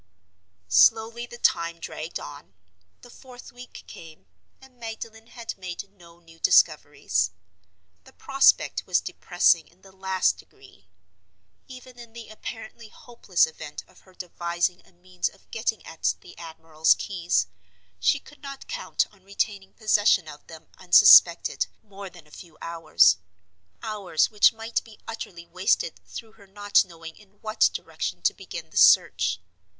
Slowly the time dragged on. The fourth week came; and Magdalen had made no new discoveries. The prospect was depressing in the last degree. Even in the apparently hopeless event of her devising a means of getting at the admiral's keys, she could not count on retaining possession of them unsuspected more than a few hours—hours which might be utterly wasted through her not knowing in what direction to begin the search.